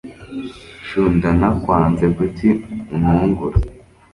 chou ndanakwanze kuki untungura